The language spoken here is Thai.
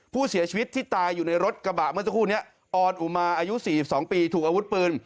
ผู้เสียชีวิตที่ตายอยู่ในรถกระบะเมื่อสักครู่นี้ออนอุมาอายุ๔๒ปีถูกอาวุธปืน